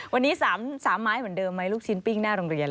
วันนี้๓ไม้เหมือนเดิมไหมลูกชิ้นปิ้งหน้าโรงเรียน